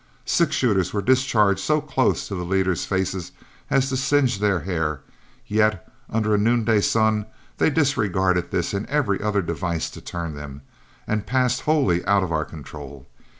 Six shooters were discharged so close to the leaders' faces as to singe their hair, yet, under a noonday sun, they disregarded this and every other device to turn them, and passed wholly out of our control.